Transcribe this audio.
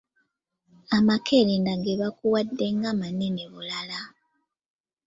Amakerenda ge bakuwadde nga manene bulala.